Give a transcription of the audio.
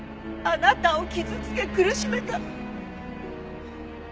あなたを傷つけ苦しめた。